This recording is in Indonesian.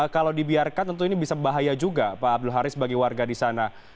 kalau dibiarkan tentu ini bisa bahaya juga pak abdul haris bagi warga di sana